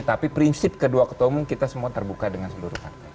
tapi prinsip kedua ketua umum kita semua terbuka dengan seluruh partai